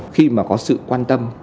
khi mà có sự quan tâm